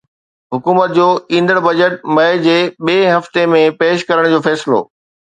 حڪومت جو ايندڙ بجيٽ مئي جي ٻئي هفتي ۾ پيش ڪرڻ جو فيصلو